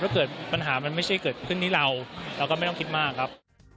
เกิดปัญหามันไม่ใช่เกิดขึ้นที่เราเราก็ไม่ต้องคิดมากครับ